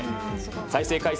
再生回数